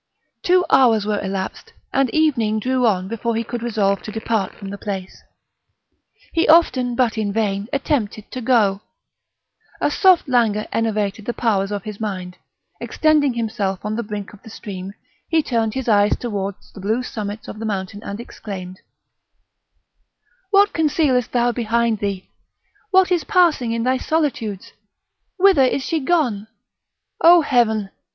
Two hours were elapsed, and evening drew on before he could resolve to depart from the place; he often, but in vain, attempted to go; a soft languor enervated the powers of his mind; extending himself on the brink of the stream, he turned his eyes towards the blue summits of the mountain, and exclaimed: "What concealest thou behind thee? what is passing in thy solitudes? Whither is she gone? O Heaven!